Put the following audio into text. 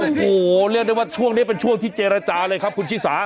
โอ้โหเรียกได้ว่าช่วงนี้เป็นช่วงที่เจรจาเลยครับคุณชิสา